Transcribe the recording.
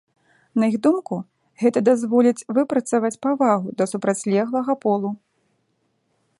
На іх думку, гэта дазволіць выпрацаваць павагу да супрацьлеглага полу.